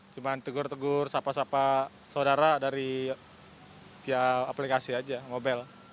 cuma tegur tegur sapa sapa saudara dari via aplikasi aja mobil